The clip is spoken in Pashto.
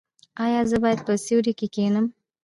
ایا زه باید په سیوري کې کینم؟